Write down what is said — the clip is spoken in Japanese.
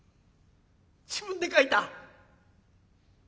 自分で書いた。